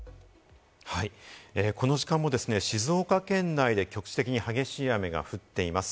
この時間もですね、静岡県内で局地的に激しい雨が降っています。